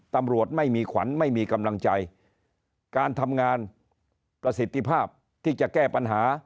ตำรวจไม่มีขวัญไม่มีกำลังใจการทำงานประสิทธิภาพที่จะแก้ปัญหา